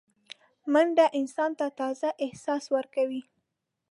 منډه انسان ته تازه احساس ورکوي